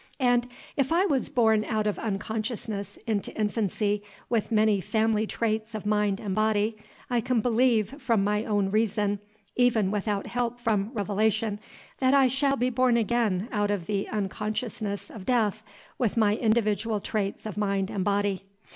And if I was born out of unconsciousness into infancy with many family traits of mind and body, I can believe, from my own reason, even without help from Revelation, that I shall be born again out of the unconsciousness of death with my individual traits of mind and body.